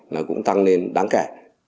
nó cũng tăng lên đáng kể